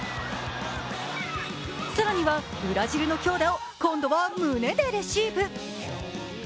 更にはブラジルの強打を今度は胸でレシーブ。